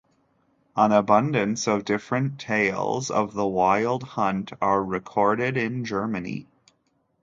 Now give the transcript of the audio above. An abundance of different tales of the Wild Hunt are recorded in Germany.